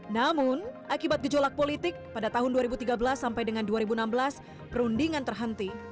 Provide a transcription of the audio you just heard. namun akibat gejolak politik pada tahun dua ribu tiga belas sampai dengan dua ribu enam belas perundingan terhenti